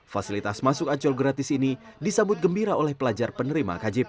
fasilitas masuk ancol gratis ini disambut gembira oleh pelajar penerima kjp